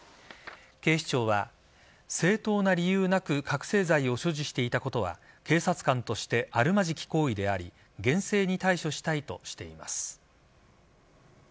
警視庁は正当な理由なく覚醒剤を所持していたことは警察官としてあるまじき行為であり厳正に対処したいとしています。